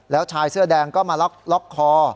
แล้วชายเสื้อแดงก็มาล็อกคอ